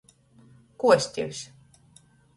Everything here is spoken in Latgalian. Kuostivs.